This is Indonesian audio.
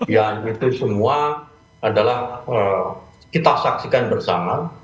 yang itu semua adalah kita saksikan bersama